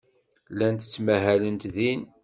Llant ttmahalent din.